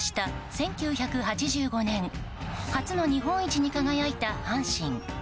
１９８５年初の日本一に輝いた阪神。